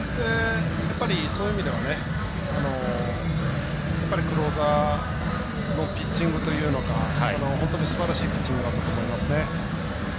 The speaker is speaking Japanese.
そういう意味では、クローザーのピッチングというのか本当にすばらしいピッチングだったと思いますね。